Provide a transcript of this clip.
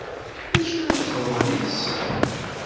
D acu ara txedmeḍ yes-sen.